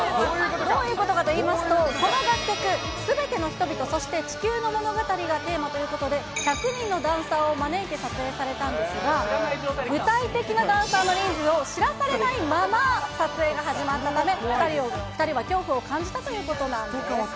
どういうことかといいますと、この楽曲、すべての人々、地球の物語がテーマということで、１００人のダンサーを招いて撮影されたんですが、具体的なダンサーの人数を知らされないまま撮影が始まったため、２人は恐怖を感じたということなんですね。